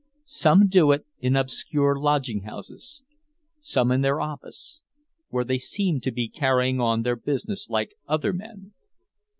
Some do it in obscure lodging houses, some in their office, where they seemed to be carrying on their business like other men.